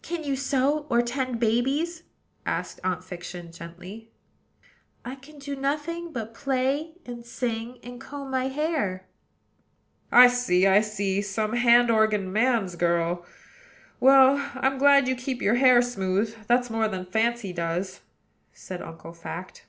"Can you sew, or tend babies?" asked Aunt Fiction gently. "I can do nothing but play and sing, and comb my hair." "I see! I see! some hand organ man's girl. Well, I'm glad you keep your hair smooth, that's more than Fancy does," said Uncle Fact.